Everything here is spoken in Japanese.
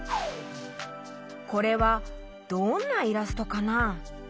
これはどんなイラストかな？